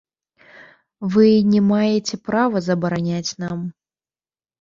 Вы не маеце права забараняць нам.